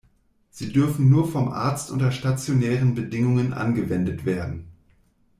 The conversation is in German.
Sie dürfen nur vom Arzt unter stationären Bedingungen angewendet werden.